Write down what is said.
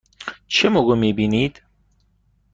چه موقع می بندید؟